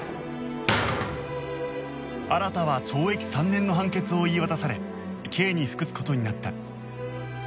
新は懲役３年の判決を言い渡され刑に服す事になった